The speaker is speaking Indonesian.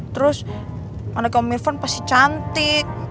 terus pandang kamu om irfan pasti cantik